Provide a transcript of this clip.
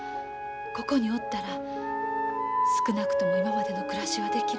ここにおったら少なくとも今までの暮らしはできる。